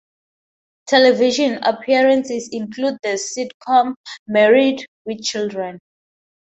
Television appearances include the sitcom "Married... with Children".